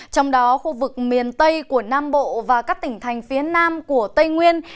trong đó khu vực miền tây của nam bộ và các tỉnh thành phía nam của tây nguyên